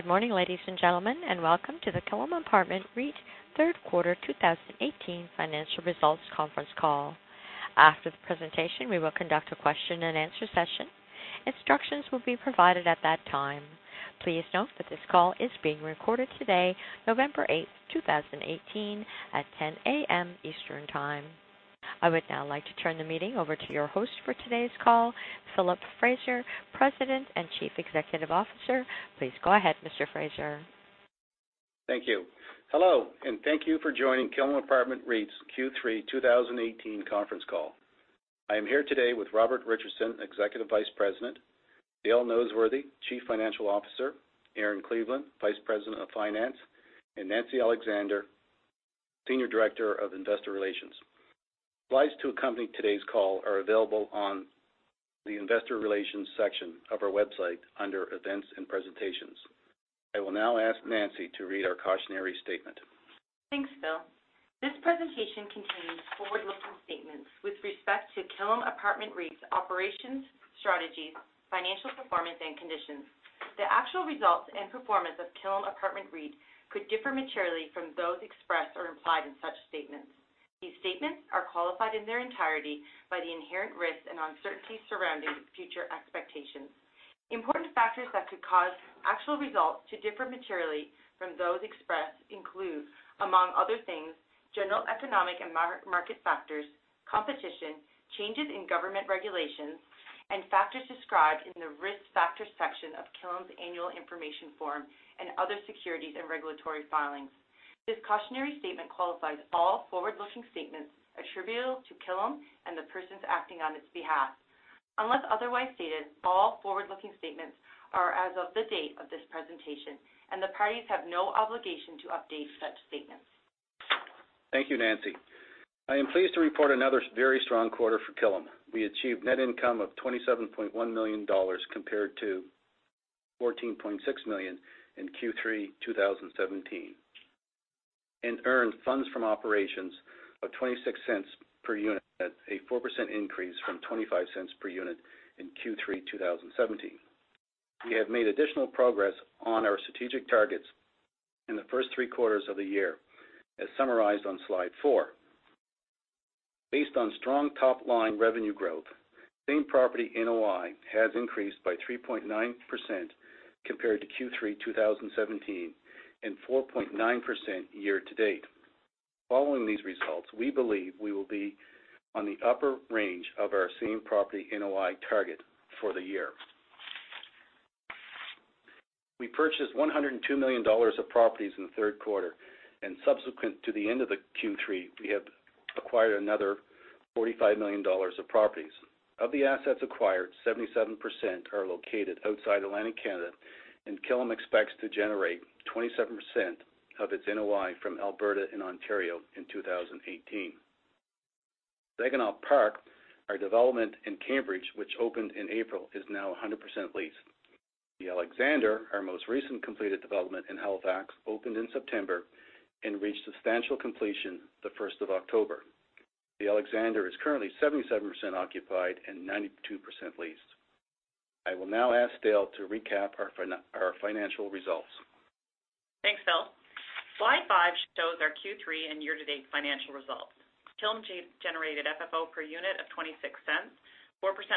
Good morning, ladies and gentlemen, and welcome to the Killam Apartment REIT Third Quarter 2018 Financial Results Conference Call. After the presentation, we will conduct a question and answer session. Instructions will be provided at that time. Please note that this call is being recorded today, November 8, 2018, at 10:00 A.M. Eastern Time. I would now like to turn the meeting over to your host for today's call, Philip Fraser, President and Chief Executive Officer. Please go ahead, Mr. Fraser. Thank you. Hello, and thank you for joining Killam Apartment REIT's Q3 2018 conference call. I am here today with Robert Richardson, Executive Vice President, Dale Noseworthy, Chief Financial Officer, Erin Cleveland, Vice President of Finance, and Nancy Alexander, Senior Director of Investor Relations. Slides to accompany today's call are available on the Investor Relations section of our website, under Events and Presentations. I will now ask Nancy to read our cautionary statement. Thanks, Phil. This presentation contains forward-looking statements with respect to Killam Apartment REIT's operations, strategies, financial performance, and conditions. The actual results and performance of Killam Apartment REIT could differ materially from those expressed or implied in such statements. These statements are qualified in their entirety by the inherent risks and uncertainties surrounding future expectations. Important factors that could cause actual results to differ materially from those expressed include, among other things, general economic and market factors, competition, changes in government regulations, and factors described in the Risk Factors section of Killam's annual information form, and other securities and regulatory filings. This cautionary statement qualifies all forward-looking statements attributable to Killam and the persons acting on its behalf. Unless otherwise stated, all forward-looking statements are as of the date of this presentation, and the parties have no obligation to update such statements. Thank you, Nancy. I am pleased to report another very strong quarter for Killam. We achieved net income of 27.1 million dollars, compared to 14.6 million in Q3 2017, and earned funds from operations of 0.26 per unit, a 4% increase from 0.25 per unit in Q3 2017. We have made additional progress on our strategic targets in the first three quarters of the year, as summarized on slide four. Based on strong top-line revenue growth, Same Property NOI has increased by 3.9% compared to Q3 2017, and 4.9% year-to-date. Following these results, we believe we will be on the upper range of our Same Property NOI target for the year. We purchased 102 million dollars of properties in the third quarter, and subsequent to the end of the Q3, we have acquired another 45 million dollars of properties. Of the assets acquired, 77% are located outside Atlantic Canada. Killam expects to generate 27% of its NOI from Alberta and Ontario in 2018. Saginaw Park, our development in Cambridge, which opened in April, is now 100% leased. The Alexander, our most recent completed development in Halifax, opened in September and reached substantial completion the 1st of October. The Alexander is currently 77% occupied and 92% leased. I will now ask Dale to recap our financial results. Thanks, Phil. Slide five shows our Q3 and year-to-date financial results. Killam generated FFO per unit of 0.26, 4%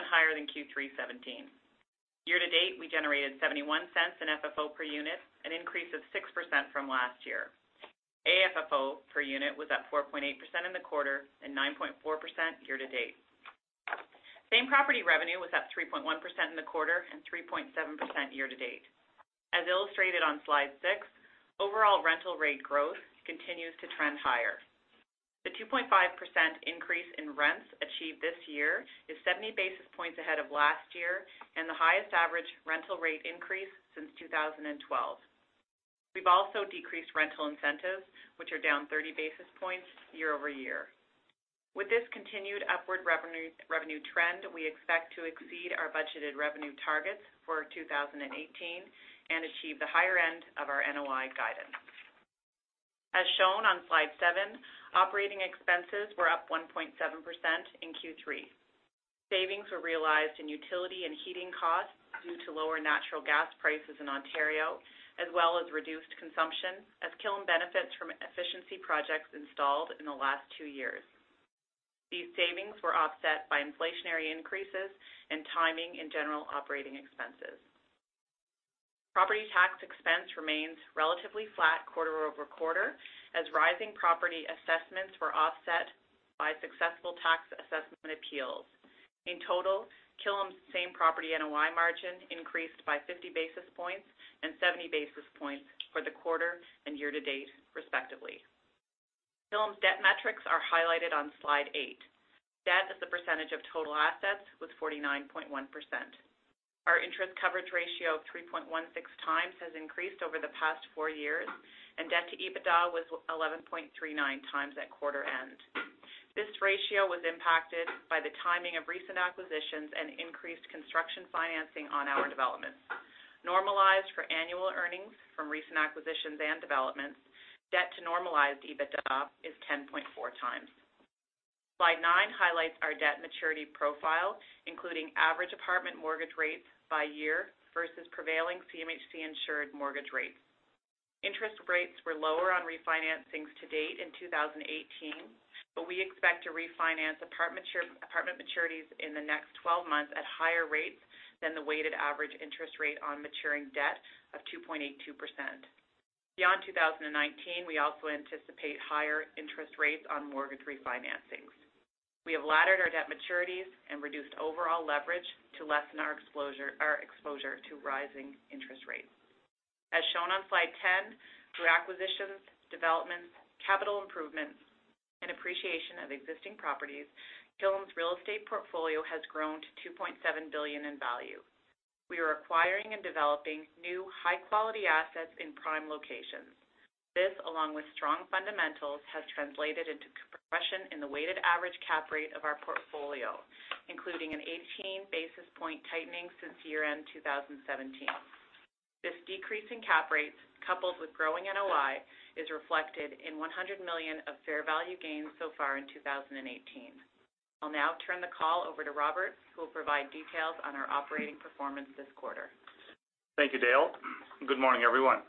higher than Q3 2017. Year to date, we generated 0.71 in FFO per unit, an increase of 6% from last year. AFFO per unit was up 4.8% in the quarter and 9.4% year to date. Same property revenue was up 3.1% in the quarter and 3.7% year to date. As illustrated on Slide six, overall rental rate growth continues to trend higher. The 2.5% increase in rents achieved this year is 70 basis points ahead of last year and the highest average rental rate increase since 2012. We've also decreased rental incentives, which are down 30 basis points year-over-year. With this continued upward revenue trend, we expect to exceed our budgeted revenue targets for 2018 and achieve the higher end of our NOI guidance. As shown on Slide seven, operating expenses were up 1.7% in Q3. Savings were realized in utility and heating costs due to lower natural gas prices in Ontario, as well as reduced consumption as Killam benefits from efficiency projects installed in the last two years. These savings were offset by inflationary increases and timing in general operating expenses. Property tax expense remains relatively flat quarter-over-quarter as rising property assessments were offset by successful tax assessment appeals. In total, Killam's same property NOI margin increased by 50 basis points and 70 basis points for the quarter and year to date, respectively. Killam's debt metrics are highlighted on Slide eight. Debt as a percentage of total assets was 49.1%. Our interest coverage ratio of 3.16 times has increased over the past four years, and debt to EBITDA was 11.39 times at quarter end. This ratio was impacted by the timing of recent acquisitions and increased construction financing on our developments. Normalized for annual earnings from recent acquisitions and developments, debt to normalized EBITDA is 10.4 times. Slide nine highlights our debt maturity profile, including average apartment mortgage rates by year versus prevailing CMHC-insured mortgage rates. Interest rates were lower on refinancings to date in 2018, but we expect to refinance apartment maturities in the next 12 months at higher rates than the weighted average interest rate on maturing debt of 2.82%. Beyond 2019, we also anticipate higher interest rates on mortgage refinancings. We have laddered our debt maturities and reduced overall leverage to lessen our exposure to rising interest rates. As shown on Slide 10, through acquisitions, developments, capital improvements, and appreciation of existing properties, Killam's real estate portfolio has grown to 2.7 billion in value. We are acquiring and developing new high-quality assets in prime locations. This, along with strong fundamentals, has translated into compression in the weighted average cap rate of our portfolio, including an 18 basis point tightening since year-end 2017. This decrease in cap rates, coupled with growing NOI, is reflected in 100 million of fair value gains so far in 2018. I'll now turn the call over to Robert, who will provide details on our operating performance this quarter. Thank you, Dale. Good morning, everyone.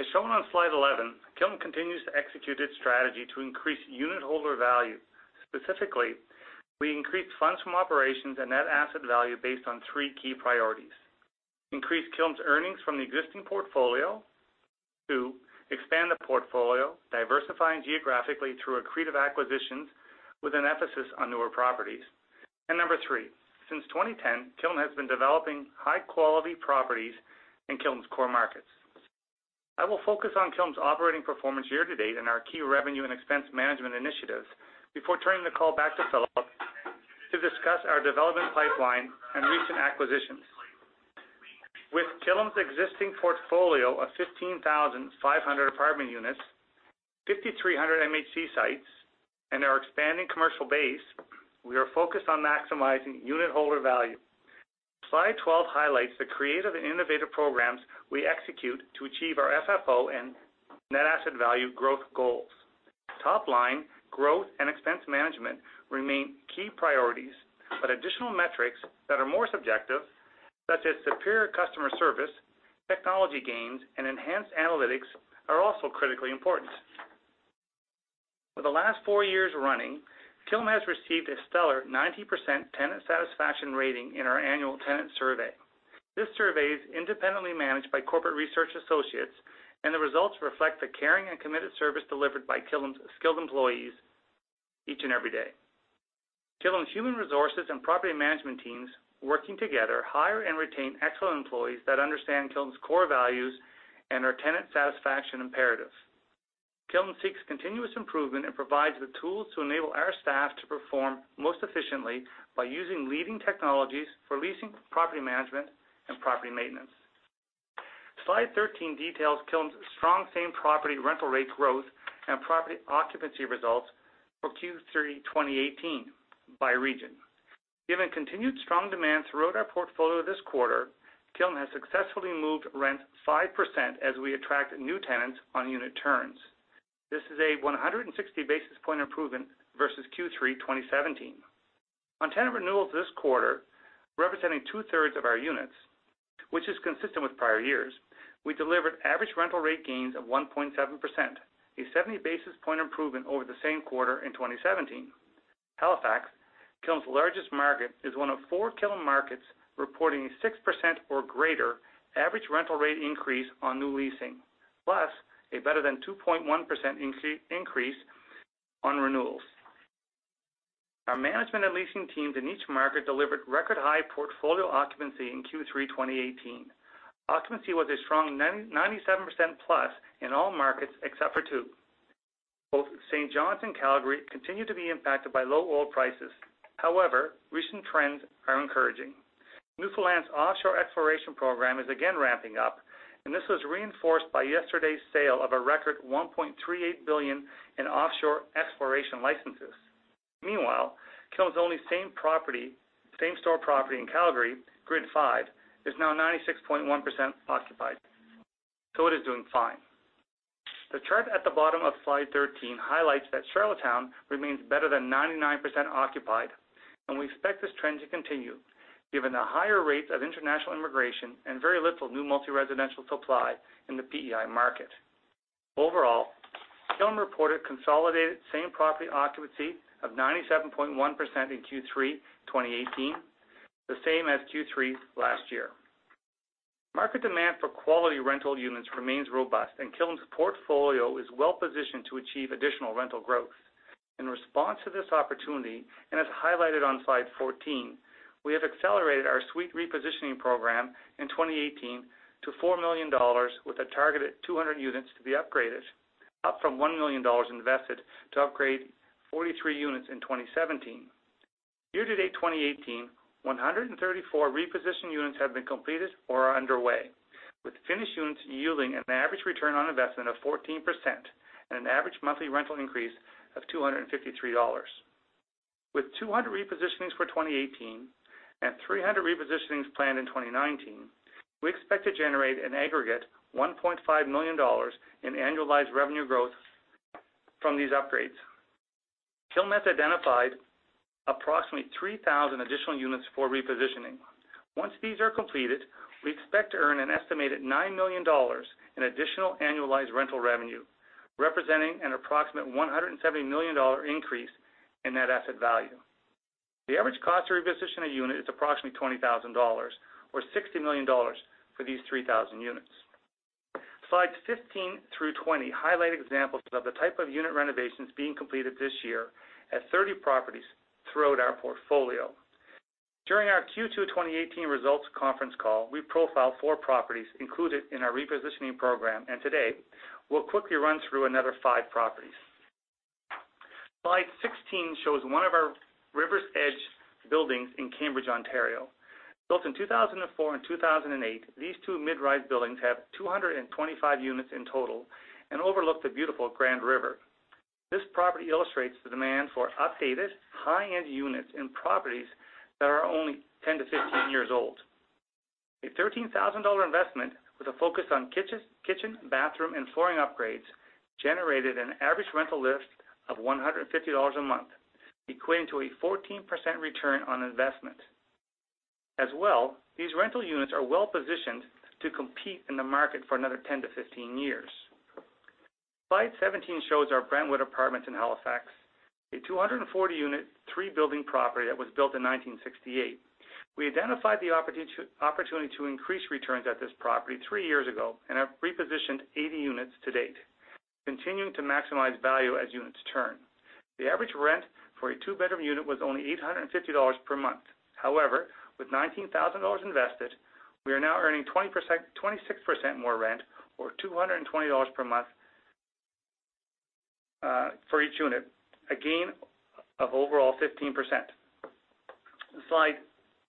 As shown on slide 11, Killam continues to execute its strategy to increase unitholder value. Specifically, we increased funds from operations and net asset value based on three key priorities. Increase Killam's earnings from the existing portfolio. Two, expand the portfolio, diversifying geographically through accretive acquisitions with an emphasis on newer properties. Number three, since 2010, Killam has been developing high-quality properties in Killam's core markets. I will focus on Killam's operating performance year-to-date and our key revenue and expense management initiatives before turning the call back to Philip to discuss our development pipeline and recent acquisitions. With Killam's existing portfolio of 15,500 apartment units, 5,300 MHC sites, and our expanding commercial base, we are focused on maximizing unitholder value. Slide 12 highlights the creative and innovative programs we execute to achieve our FFO and net asset value growth goals. Top line growth and expense management remain key priorities, but additional metrics that are more subjective, such as superior customer service, technology gains, and enhanced analytics, are also critically important. For the last four years running, Killam has received a stellar 90% tenant satisfaction rating in our annual tenant survey. This survey is independently managed by Corporate Research Associates, and the results reflect the caring and committed service delivered by Killam's skilled employees each and every day. Killam's human resources and property management teams, working together, hire and retain excellent employees that understand Killam's core values and our tenant satisfaction imperative. Killam seeks continuous improvement and provides the tools to enable our staff to perform most efficiently by using leading technologies for leasing, property management, and property maintenance. Slide 13 details Killam's strong same-property rental rate growth and property occupancy results for Q3 2018 by region. Given continued strong demand throughout our portfolio this quarter, Killam has successfully moved rent 5% as we attract new tenants on unit turns. This is a 160 basis point improvement versus Q3 2017. On tenant renewals this quarter, representing two-thirds of our units, which is consistent with prior years, we delivered average rental rate gains of 1.7%, a 70 basis point improvement over the same quarter in 2017. Halifax, Killam's largest market, is one of four Killam markets reporting a 6% or greater average rental rate increase on new leasing, plus a better than 2.1% increase on renewals. Our management and leasing teams in each market delivered record-high portfolio occupancy in Q3 2018. Occupancy was a strong 97% plus in all markets except for two. Both St. John's and Calgary continue to be impacted by low oil prices. However, recent trends are encouraging. Newfoundland's offshore exploration program is again ramping up. This was reinforced by yesterday's sale of a record 1.38 billion in offshore exploration licenses. Meanwhile, Killam's only same-store property in Calgary, Grid 5, is now 96.1% occupied. It is doing fine. The chart at the bottom of slide 13 highlights that Charlottetown remains better than 99% occupied. We expect this trend to continue, given the higher rates of international immigration and very little new multi-residential supply in the PEI market. Overall, Killam reported consolidated same-property occupancy of 97.1% in Q3 2018, the same as Q3 last year. Market demand for quality rental units remains robust. Killam's portfolio is well-positioned to achieve additional rental growth. In response to this opportunity, as highlighted on slide 14, we have accelerated our suite repositioning program in 2018 to 4 million dollars, with a target of 200 units to be upgraded, up from 1 million dollars invested to upgrade 43 units in 2017. Year-to-date 2018, 134 reposition units have been completed or are underway. With finished units yielding an average ROI of 14% and an average monthly rental increase of 253 dollars. With 200 repositionings for 2018 and 300 repositionings planned in 2019. We expect to generate an aggregate 1.5 million dollars in annualized revenue growth from these upgrades. Killam has identified approximately 3,000 additional units for repositioning. Once these are completed, we expect to earn an estimated 9 million dollars in additional annualized rental revenue, representing an approximate 170 million dollar increase in net asset value. The average cost to reposition a unit is approximately 20,000 dollars, or 60 million dollars for these 3,000 units. Slides 15 through 20 highlight examples of the type of unit renovations being completed this year at 30 properties throughout our portfolio. During our Q2 2018 results conference call, we profiled four properties included in our repositioning program. Today, we'll quickly run through another five properties. Slide 16 shows one of our Rivers Edge buildings in Cambridge, Ontario. Built in 2004 and 2008, these two mid-rise buildings have 225 units in total and overlook the beautiful Grand River. This property illustrates the demand for updated, high-end units in properties that are only 10 to 15 years old. A 13,000 dollar investment with a focus on kitchen, bathroom, and flooring upgrades generated an average rental lift of 150 dollars a month, equating to a 14% ROI. As well, these rental units are well-positioned to compete in the market for another 10 to 15 years. Slide 17 shows our Brentwood Apartments in Halifax, a 240-unit, three-building property that was built in 1968. We identified the opportunity to increase returns at this property three years ago and have repositioned 80 units to date, continuing to maximize value as units turn. The average rent for a two-bedroom unit was only 850 dollars per month. However, with 19,000 dollars invested, we are now earning 26% more rent, or 220 dollars per month, for each unit, a gain of overall 15%. Slide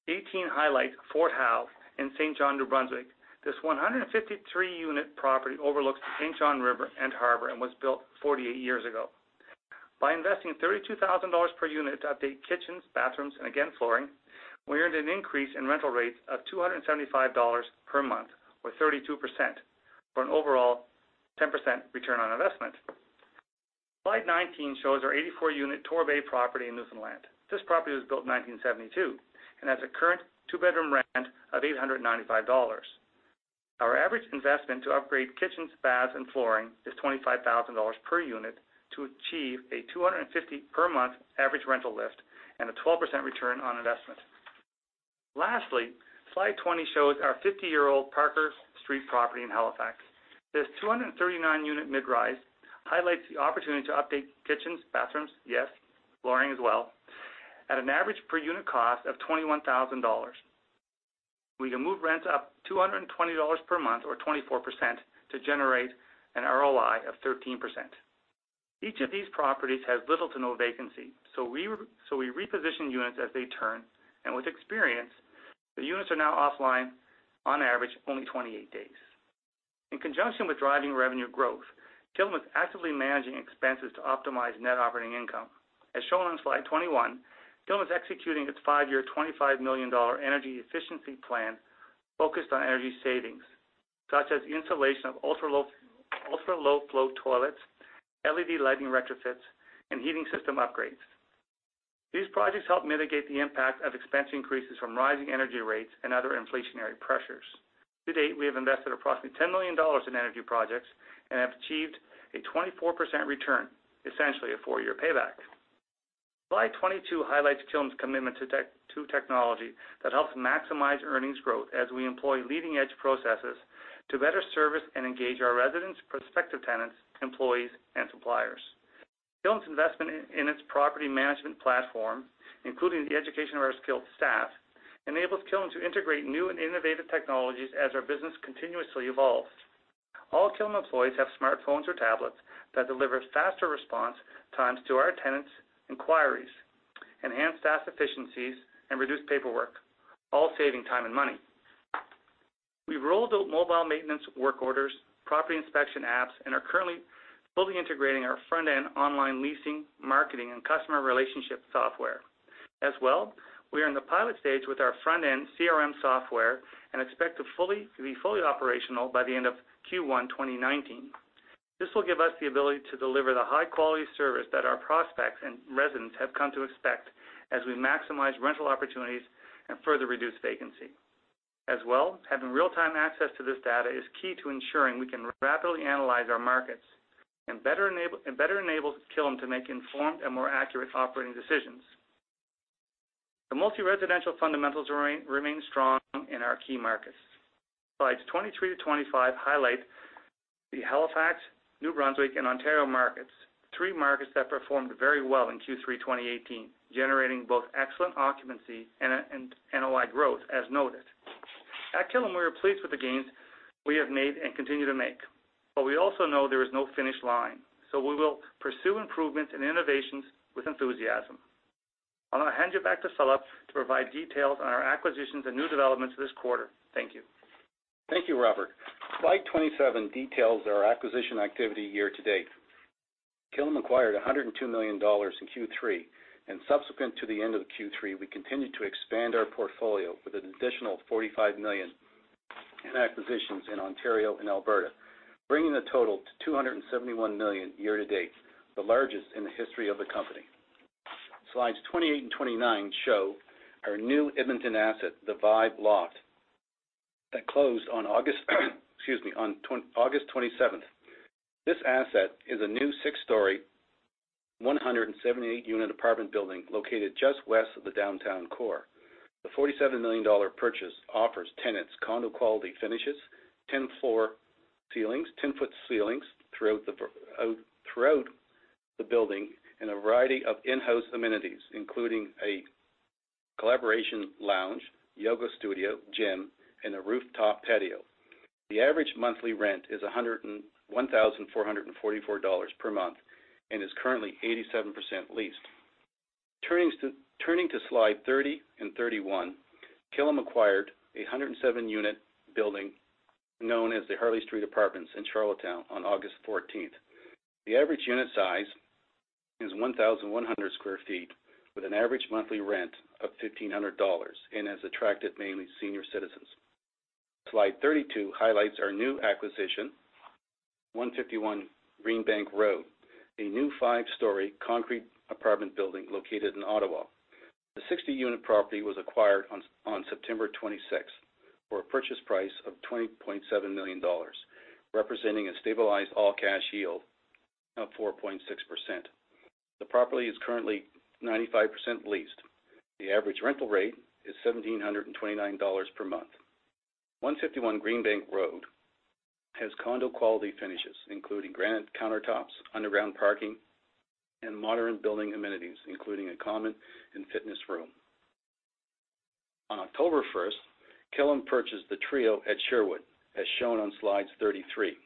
18 highlights Fort Howe in Saint John, New Brunswick. This 153-unit property overlooks the Saint John River and Harbour and was built 48 years ago. By investing 32,000 dollars per unit to update kitchens, bathrooms, and again, flooring, we earned an increase in rental rates of 275 dollars per month or 32%, for an overall 10% return on investment. Slide 19 shows our 84-unit Torbay property in Newfoundland. This property was built in 1972 and has a current two-bedroom rent of 895 dollars. Our average investment to upgrade kitchens, baths, and flooring is 25,000 dollars per unit to achieve a 250 per month average rental lift and a 12% return on investment. Lastly, slide 20 shows our 50-year-old Parker Street property in Halifax. This 239-unit mid-rise highlights the opportunity to update kitchens, bathrooms, yes, flooring as well, at an average per-unit cost of 21,000 dollars. We can move rents up 220 dollars per month or 24% to generate an ROI of 13%. Each of these properties has little to no vacancy. We reposition units as they turn, and with experience, the units are now offline, on average, only 28 days. In conjunction with driving revenue growth, Killam is actively managing expenses to optimize net operating income. As shown on slide 21, Killam is executing its five-year, 25 million dollar energy efficiency plan focused on energy savings, such as insulation of ultra-low flow toilets, LED lighting retrofits, and heating system upgrades. These projects help mitigate the impact of expense increases from rising energy rates and other inflationary pressures. To date, we have invested approximately 10 million dollars in energy projects and have achieved a 24% return, essentially a four-year payback. Slide 22 highlights Killam's commitment to technology that helps maximize earnings growth as we employ leading-edge processes to better service and engage our residents, prospective tenants, employees, and suppliers. Killam's investment in its property management platform, including the education of our skilled staff, enables Killam to integrate new and innovative technologies as our business continuously evolves. All Killam employees have smartphones or tablets that deliver faster response times to our tenants' inquiries, enhance staff efficiencies, and reduce paperwork, all saving time and money. We've rolled out mobile maintenance work orders, property inspection apps, and are currently fully integrating our front-end online leasing, marketing, and customer relationship software. We are in the pilot stage with our front-end CRM software and expect to be fully operational by the end of Q1 2019. This will give us the ability to deliver the high-quality service that our prospects and residents have come to expect as we maximize rental opportunities and further reduce vacancy. Having real-time access to this data is key to ensuring we can rapidly analyze our markets and better enables Killam to make informed and more accurate operating decisions. The multi-residential fundamentals remain strong in our key markets. Slides 23 to 25 highlight the Halifax, New Brunswick, and Ontario markets, three markets that performed very well in Q3 2018, generating both excellent occupancy and NOI growth, as noted. At Killam, we are pleased with the gains we have made and continue to make. We also know there is no finish line, so we will pursue improvements and innovations with enthusiasm. I'm going to hand you back to Philip to provide details on our acquisitions and new developments this quarter. Thank you. Thank you, Robert. Slide 27 details our acquisition activity year to date. Killam acquired 102 million dollars in Q3. Subsequent to the end of Q3, we continued to expand our portfolio with an additional 45 million in acquisitions in Ontario and Alberta, bringing the total to 271 million year-to-date, the largest in the history of the company. Slides 28 and 29 show our new Edmonton asset, The Vibe Lofts, that closed on August 27th. This asset is a new six-story, 178-unit apartment building located just west of the downtown core. The 47 million dollar purchase offers tenants condo-quality finishes, 10-foot ceilings throughout the building, and a variety of in-house amenities, including a collaboration lounge, yoga studio, gym, and a rooftop patio. The average monthly rent is 1,444 dollars per month and is currently 87% leased. Turning to slide 30 and 31, Killam acquired a 107-unit building known as the Hurley Street Apartments in Charlottetown on August 14th. The average unit size is 1,100 sq ft with an average monthly rent of 1,500 dollars and has attracted mainly senior citizens. Slide 32 highlights our new acquisition, 151 Greenbank Road, a new five-story concrete apartment building located in Ottawa. The 60-unit property was acquired on September 26th for a purchase price of 20.7 million dollars, representing a stabilized all-cash yield of 4.6%. The property is currently 95% leased. The average rental rate is 1,729 dollars per month. 151 Greenbank Road has condo-quality finishes including granite countertops, underground parking, and modern building amenities, including a common and fitness room. On October 1st, Killam purchased The Trio at Sherwood, as shown on slide 33.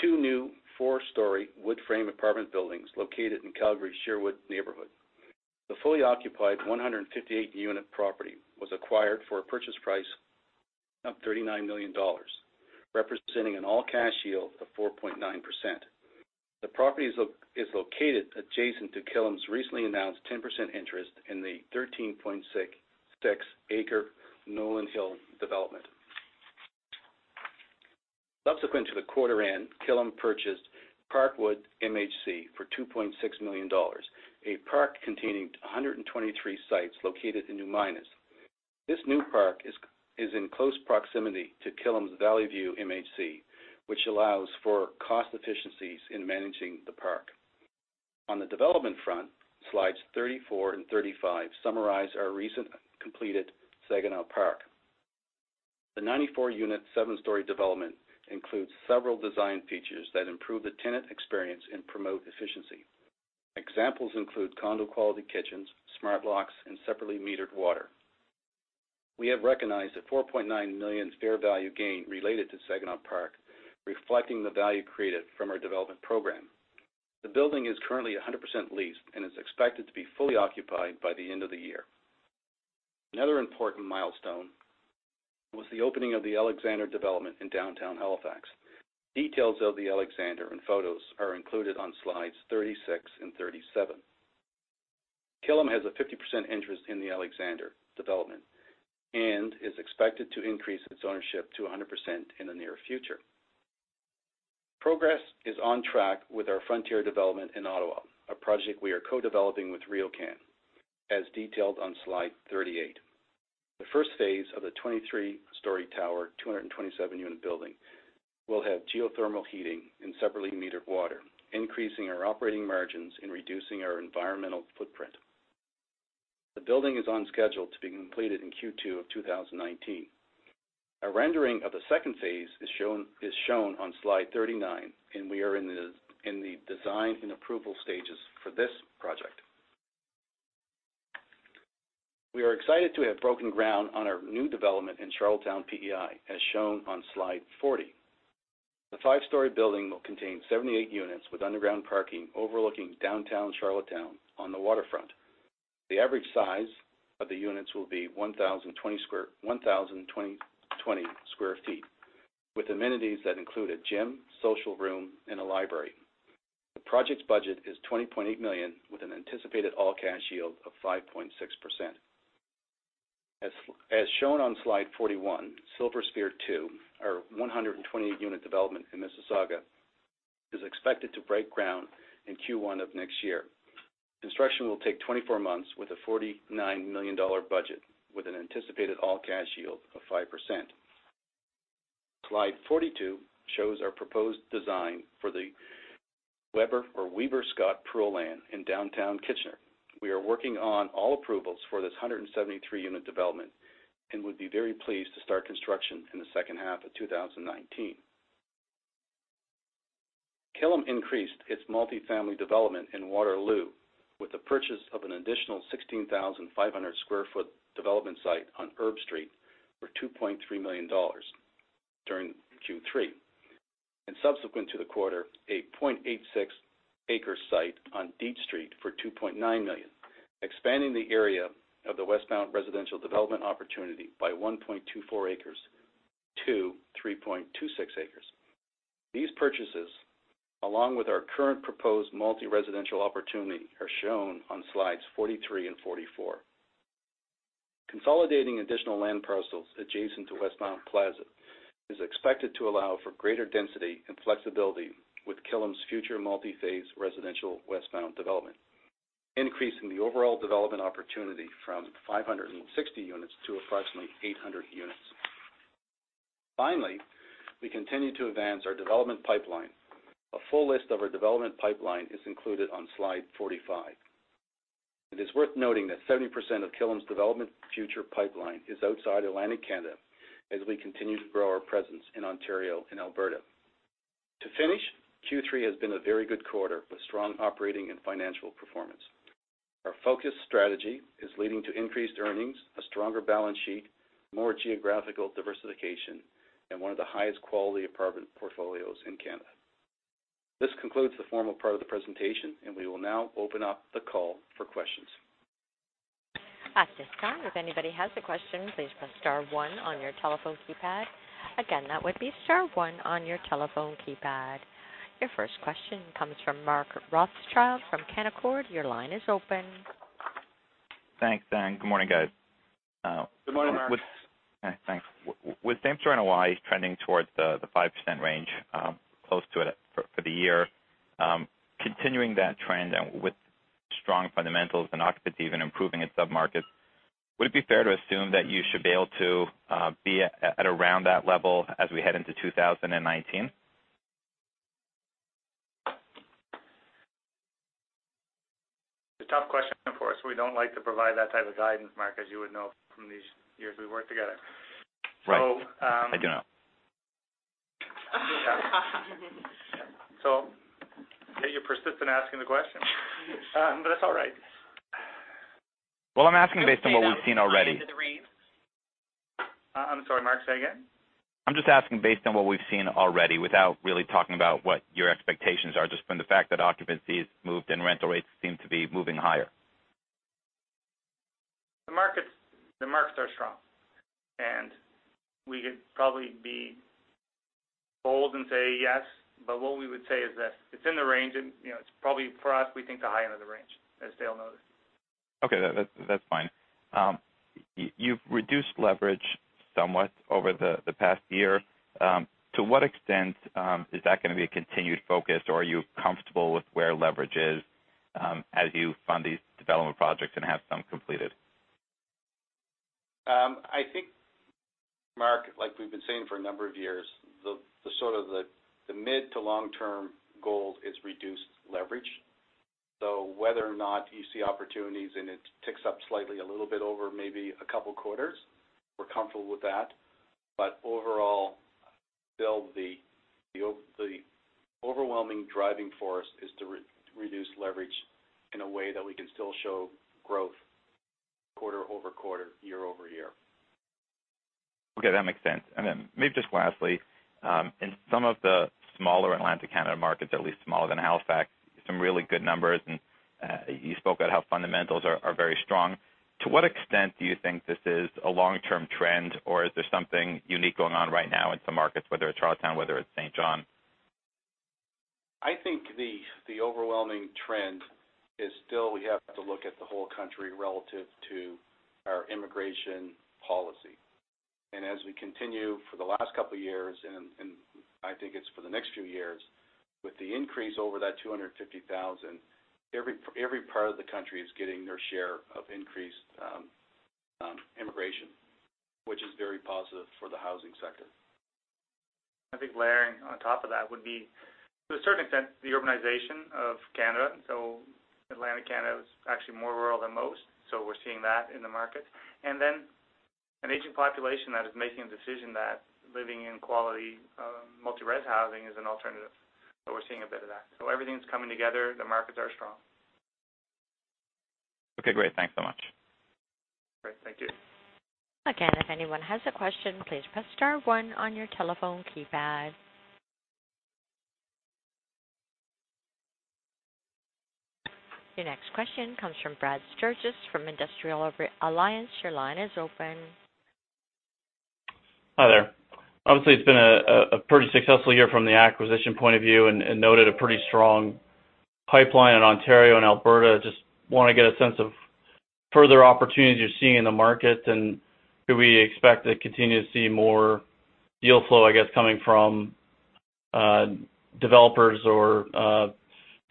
Two new four-story wood frame apartment buildings located in Calgary Sherwood neighborhood. The fully occupied 158-unit property was acquired for a purchase price of 39 million dollars, representing an all-cash yield of 4.9%. The property is located adjacent to Killam's recently announced 10% interest in the 13.6-acre Nolan Hill development. Subsequent to the quarter end, Killam purchased Parkwood MHC for 2.6 million dollars, a park containing 123 sites located in New Minas. This new park is in close proximity to Killam's Valleyview MHC, which allows for cost efficiencies in managing the park. On the development front, slides 34 and 35 summarize our recent completed Saginaw Park. The 94-unit, seven-story development includes several design features that improve the tenant experience and promote efficiency. Examples include condo-quality kitchens, smart locks, and separately metered water. We have recognized a 4.9 million fair value gain related to Saginaw Park, reflecting the value created from our development program. The building is currently 100% leased and is expected to be fully occupied by the end of the year. Another important milestone was the opening of The Alexander development in downtown Halifax. Details of The Alexander and photos are included on slides 36 and 37. Killam has a 50% interest in The Alexander development and is expected to increase its ownership to 100% in the near future. Progress is on track with our Frontier development in Ottawa, a project we are co-developing with RioCan, as detailed on slide 38. The first phase of the 23-story tower, 227-unit building, will have geothermal heating and separately metered water, increasing our operating margins and reducing our environmental footprint. The building is on schedule to be completed in Q2 of 2019. A rendering of the second phase is shown on slide 39, and we are in the design and approval stages for this project. We are excited to have broken ground on our new development in Charlottetown, PEI, as shown on slide 40. The five-story building will contain 78 units with underground parking overlooking downtown Charlottetown on the waterfront. The average size of the units will be 1,020 sq ft, with amenities that include a gym, social room, and a library. The project's budget is 20.8 million, with an anticipated all-cash yield of 5.6%. As shown on slide 41, Silver Spear II, our 128-unit development in Mississauga, is expected to break ground in Q1 of next year. Construction will take 24 months with a 49 million dollar budget with an anticipated all-cash yield of 5%. Slide 42 shows our proposed design for the Weber Scott Pearl in downtown Kitchener. We are working on all approvals for this 173-unit development and would be very pleased to start construction in the second half of 2019. Killam increased its multifamily development in Waterloo with the purchase of an additional 16,500 sq ft development site on Erb Street for 2.3 million dollars during Q3. Subsequent to the quarter, a 0.86-acre site on Dietz Street for 2.9 million, expanding the area of the Westmount residential development opportunity by 1.24 acres to 3.26 acres. These purchases, along with our current proposed multi-residential opportunity, are shown on slides 43 and 44. Consolidating additional land parcels adjacent to Westmount Plaza is expected to allow for greater density and flexibility with Killam's future multi-phase residential Westmount development, increasing the overall development opportunity from 560 units to approximately 800 units. Finally, we continue to advance our development pipeline. A full list of our development pipeline is included on slide 45. It is worth noting that 70% of Killam's development future pipeline is outside Atlantic Canada, as we continue to grow our presence in Ontario and Alberta. To finish, Q3 has been a very good quarter, with strong operating and financial performance. Our focused strategy is leading to increased earnings, a stronger balance sheet, more geographical diversification, and one of the highest quality apartment portfolios in Canada. This concludes the formal part of the presentation, and we will now open up the call for questions. At this time, if anybody has a question, please press star one on your telephone keypad. Again, that would be star one on your telephone keypad. Your first question comes from Mark Rothschild from Canaccord. Your line is open. Thanks. Good morning, guys. Good morning, Mark. Thanks. With same property NOI ROI trending towards the 5% range, close to it for the year, continuing that trend and with strong fundamentals and occupancy even improving in sub-markets, would it be fair to assume that you should be able to be at around that level as we head into 2019? It's a tough question for us. We don't like to provide that type of guidance, Mark, as you would know from these years we've worked together. Right. I do know. Hey, you're persistent asking the question, but that's all right. Well, I'm asking based on what we've seen already. Into the REIT. I'm sorry, Mark, say again? I'm just asking based on what we've seen already, without really talking about what your expectations are, just from the fact that occupancy's moved and rental rates seem to be moving higher. The markets are strong, and we could probably be bold and say yes. What we would say is that it's in the range, and it's probably, for us, we think, the high end of the range, as Dale noted. Okay. No, that's fine. You've reduced leverage somewhat over the past year. To what extent is that going to be a continued focus, or are you comfortable with where leverage is as you fund these development projects and have some completed? I think, Mark, like we've been saying for a number of years, the mid-to-long-term goal is reduced leverage. Whether or not you see opportunities and it ticks up slightly a little bit over maybe a couple quarters, we're comfortable with that. Overall, still the overwhelming driving force is to reduce leverage in a way that we can still show growth quarter-over-quarter, year-over-year. Okay. That makes sense. Then maybe just lastly, in some of the smaller Atlantic Canada markets, at least smaller than Halifax, some really good numbers, and you spoke about how fundamentals are very strong. To what extent do you think this is a long-term trend, or is there something unique going on right now in some markets, whether it's Charlottetown, whether it's Saint John? I think the overwhelming trend is still, we have to look at the whole country relative to our immigration policy. As we continue for the last couple of years, and I think it's for the next few years, with the increase over that 250,000, every part of the country is getting their share of increased immigration, which is very positive for the housing sector. I think layering on top of that would be, to a certain extent, the urbanization of Canada. Atlantic Canada is actually more rural than most, we're seeing that in the markets. Then an aging population that is making a decision that living in quality multi-res housing is an alternative. We're seeing a bit of that. Everything's coming together. The markets are strong. Okay, great. Thanks so much. Great. Thank you. Again, if anyone has a question, please press star one on your telephone keypad. Your next question comes from Brad Sturges from Industrial Alliance. Your line is open. Hi there. Obviously, it's been a pretty successful year from the acquisition point of view, and noted a pretty strong pipeline in Ontario and Alberta. Just want to get a sense of further opportunities you're seeing in the market, and should we expect to continue to see more deal flow, I guess, coming from developers or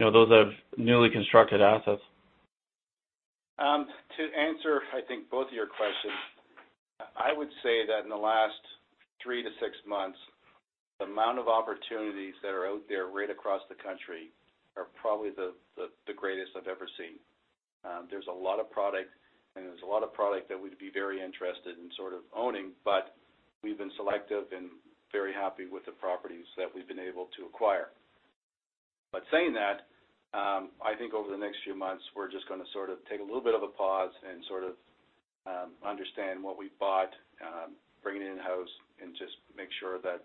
those of newly constructed assets? To answer, I think, both of your questions, I would say that in the last 3-6 months, the amount of opportunities that are out there right across the country are probably the greatest I've ever seen. There's a lot of product, and there's a lot of product that we'd be very interested in sort of owning, but we've been selective and very happy with the properties that we've been able to acquire. Saying that, I think over the next few months, we're just going to sort of take a little bit of a pause and sort of understand what we've bought, bring it in-house, and just make sure that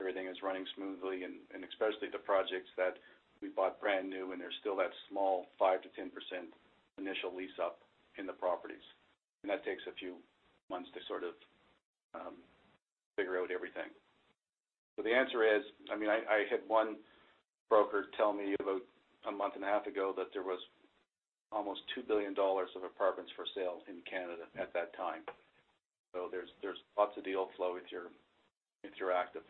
everything is running smoothly, and especially the projects that we bought brand new, and there's still that small 5%-10% initial lease-up in the properties. That takes a few months to sort of figure out everything. The answer is, I had one broker tell me about a month and a half ago that there was almost 2 billion dollars of apartments for sale in Canada at that time. There's lots of deal flow if you're active.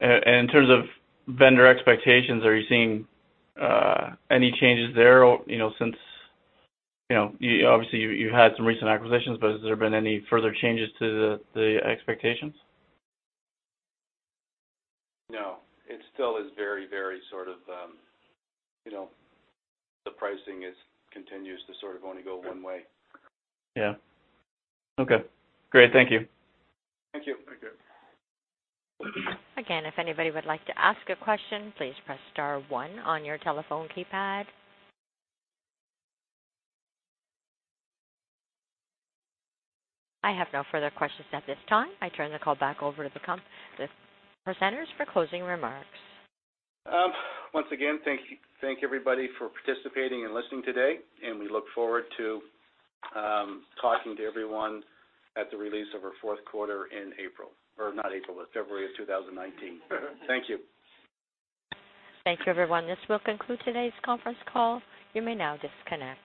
In terms of vendor expectations, are you seeing any changes there since Obviously, you had some recent acquisitions, but has there been any further changes to the expectations? No. It still is very sort of the pricing continues to sort of only go one way. Yeah. Okay. Great. Thank you. Thank you. If anybody would like to ask a question, please press star one on your telephone keypad. I have no further questions at this time. I turn the call back over to the presenters for closing remarks. Once again, thank you everybody for participating and listening today, and we look forward to talking to everyone at the release of our fourth quarter in April. Not April, February of 2019. Thank you. Thank you, everyone. This will conclude today's conference call. You may now disconnect.